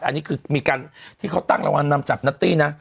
อันนี้คือมีการที่เขาตั้งรางวัลนำจับนัตตี้นะ